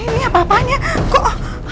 ini apa apanya kok